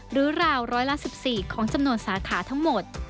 ราวร้อยละ๑๔ของจำนวนสาขาทั้งหมด